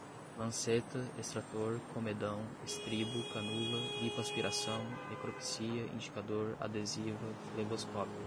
lanceta, extrator, comedão, estribo, canula, lipoaspiração, necropsia, indicador, adesiva, fleboscópio